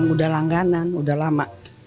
udah langganan udah lama